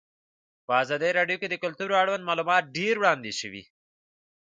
په ازادي راډیو کې د کلتور اړوند معلومات ډېر وړاندې شوي.